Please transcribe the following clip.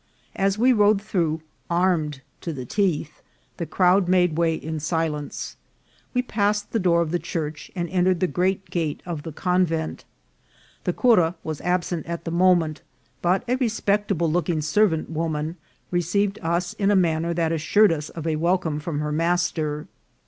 As we rode through, armed to the teeth, the crowd made way in silence. We passed the door of the church, and en tered the great gate of the convent. The cura was absent at the moment, but a respectable looking ser vant woman received us in a manner that assured us of a welcome from her master.